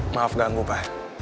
maaf ganggu pa